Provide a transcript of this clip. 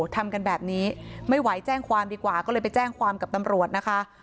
ทำกันแบบนี้ไม่ไหวแจ้งความดีกว่าก็เลยไปแจ้งความกับตำรวจนะคะ